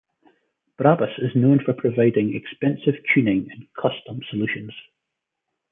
Brabus is known for providing expensive tuning and custom solutions.